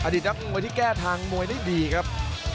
อดีตทำเมื่อที่แก้ทางมวยได้ดีครับ